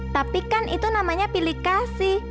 tapi kan itu namanya pilih kasih